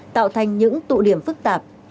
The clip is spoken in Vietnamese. tạo thành những tụ điểm phức tạp